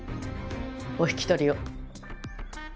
お引き取りを。